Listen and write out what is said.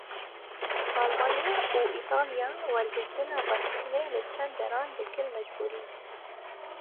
Almanya û Îtalya wergirtina vaksînê li çend deran dikin mecbûrî.